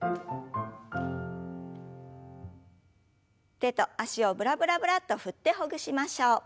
手と脚をブラブラブラッと振ってほぐしましょう。